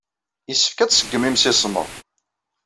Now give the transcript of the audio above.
Yessefk ad tṣeggem imsismeḍ.